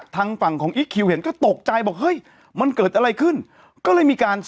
ทางฝั่งของอีคคิวเห็นก็ตกใจบอกเฮ้ยมันเกิดอะไรขึ้นก็เลยมีการ